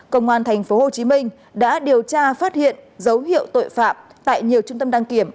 công an tp hcm đã điều tra phát hiện dấu hiệu tội phạm tại nhiều trung tâm đăng kiểm